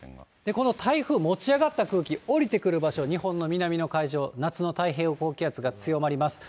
この台風、持ち上がった空気、下りてくる場所、日本の南の海上、夏の太平洋高気圧が強まります。